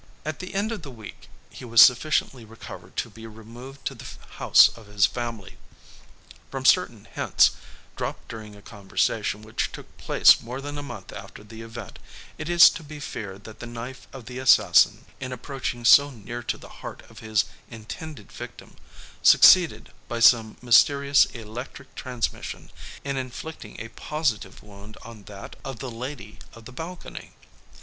At the end of a week he was sufficiently recovered to be removed to the house of his family. From certain hints, dropped during a conversation which took place more than a month after the event, it is to be feared that the knife of the assassin, in approaching so near to the heart of his intended victim, succeeded, by some mysterious electric transmission, in inflicting a positive wound on that of the lady of the balcony.